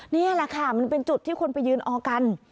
นี่แหละค่ะมันเป็นจุดที่คนไปยืนออกัน